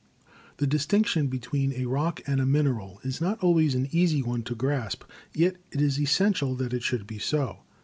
The distinction between a rock and a mineral is not always an easy one to grasp, yet it is essential that it should be so.